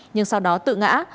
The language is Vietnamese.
nhưng sau đó tự ngã